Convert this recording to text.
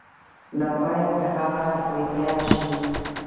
دا باید د هغه له خولې بیان شي.